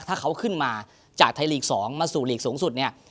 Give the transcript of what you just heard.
ถ้าเขาขึ้นมาจากไทยลีก๒มาสู่ลีกสูงสุดเนี่ย